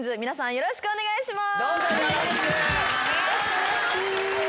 よろしくお願いします。